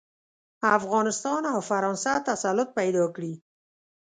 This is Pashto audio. افغانستان او فرانسه تسلط پیدا کړي.